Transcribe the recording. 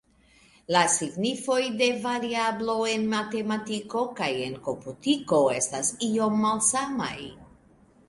La signifoj de variablo en matematiko kaj en komputiko estas iom malsamaj.